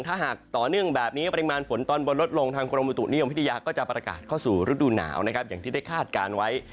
ถ้าหากต่อเนื่องแบบนี้ปริมาณฝนตอนบนลดลงทางกรมบุตุนิยมวิทยาก็จะประกาศเข้าสู่ฤดูหนาวนะครับอย่างที่ได้คาดการณ์ไว้